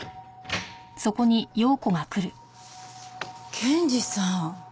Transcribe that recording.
検事さん